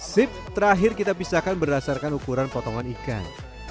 sip terakhir kita pisahkan berdasarkan ukuran potongan ikan